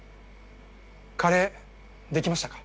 カレーできましたか？